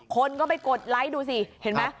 คนก็ไปกดไลค์ดูสิเห็นไหม